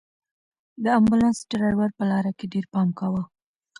د امبولانس ډرېور په لاره کې ډېر پام کاوه.